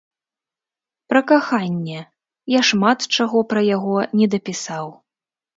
Пра каханне, я шмат чаго пра яго не дапісаў.